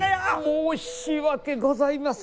申し訳ございません。